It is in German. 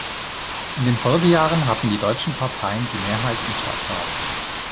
In den Folgejahren hatten die deutschen Parteien die Mehrheit im Stadtrat.